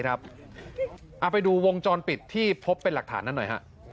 เอาไปดูวงจรปิดที่พบเป็นหลักฐานนั้นหน่อยฮะ